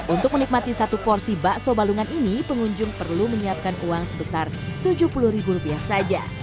untuk menikmati satu porsi bakso balungan ini pengunjung perlu menyiapkan uang sebesar tujuh puluh ribu rupiah saja